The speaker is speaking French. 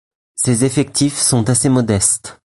Ses effectifs sont assez modestes.